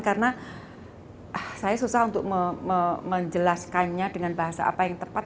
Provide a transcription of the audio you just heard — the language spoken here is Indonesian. karena saya susah untuk menjelaskannya dengan bahasa apa yang tepat